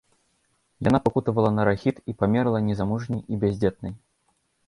Яна пакутавала на рахіт і памерла незамужняй і бяздзетнай.